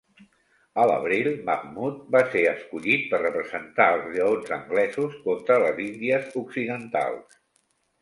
A l'abril, Mahmood va ser escollit per representar els Lleons Anglesos contra les Indies Occidentals.